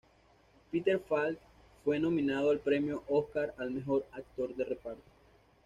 Peter Falk fue nominado al Premio Oscar al mejor actor de reparto.